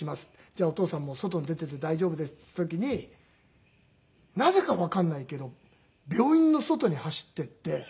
「じゃあお父さんもう外に出ていて大丈夫です」っていった時になぜかわかんないけど病院の外に走って行って。